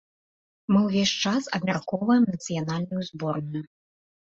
Мы ўвесь час абмяркоўваем нацыянальную зборную.